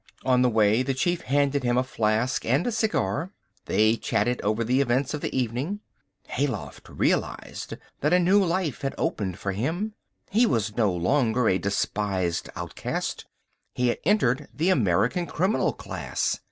On the way the chief handed him a flask and a cigar. They chatted over the events of the evening. Hayloft realised that a new life had opened for him. He was no longer a despised outcast. He had entered the American criminal class.